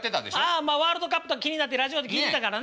まあワールドカップとか気になってラジオで聴いてたからな。